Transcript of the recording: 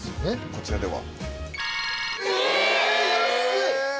こちらでは？